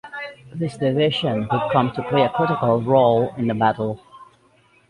This division would come to play a critical role in the battle.